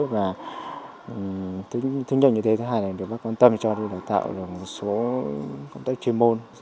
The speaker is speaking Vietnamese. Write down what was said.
và thứ nhanh như thế thứ hai là được bác quan tâm cho đi đào tạo được một số công tác chuyên môn